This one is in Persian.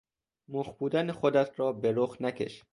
مخ بودن خودت را به رخ نکش